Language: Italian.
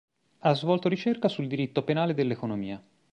Ha svolto ricerca sul diritto penale dell'economia.